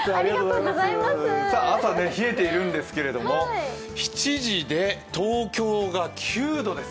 朝冷えているんですけれども、７時で東京が９度です。